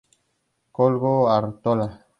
Koldo Artola.